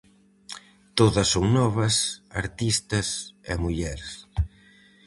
Todas son novas, artistas e mulleres.